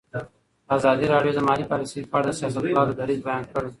ازادي راډیو د مالي پالیسي په اړه د سیاستوالو دریځ بیان کړی.